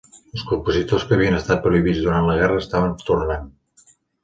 Els compositors que havien estat prohibits durant la guerra estaven tornant.